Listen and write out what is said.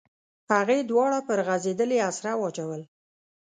هغې دواړه پر غځېدلې اسره واچول.